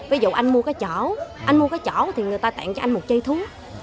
ví dụ anh mua cái chảo anh mua cái chảo thì người ta tặng cho anh một chây thú